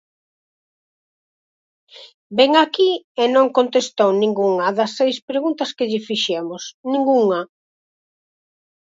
Vén aquí e non contestou ningunha das seis preguntas que lle fixemos, ningunha.